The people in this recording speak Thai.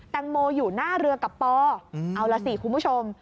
แตงโมอยู่หน้าเรือกับปอเอาล่ะสิคุณผู้ชม